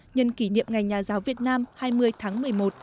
nhân kỷ niệm ngày nhà giáo việt nam hai mươi tháng một mươi một